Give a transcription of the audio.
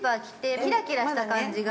キラキラした感じが◆